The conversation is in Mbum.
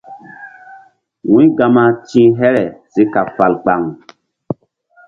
Wu̧y gama ti̧h here si kaɓ fal kpaŋ.